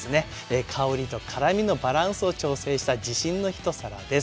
香りと辛みのバランスを調整した自信の一皿です。